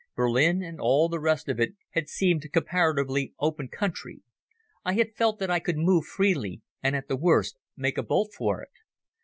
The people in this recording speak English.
Berlin and all the rest of it had seemed comparatively open country; I had felt that I could move freely and at the worst make a bolt for it.